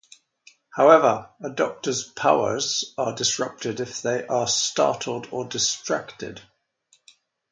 However, a Doctor's powers are disrupted if they are startled or distracted.